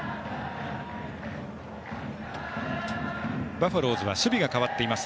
バファローズは守備が変わっています。